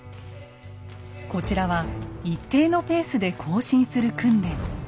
こちらは一定のペースで行進する訓練。